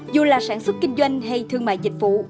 dù là sản xuất kinh doanh hay thương mại dịch vụ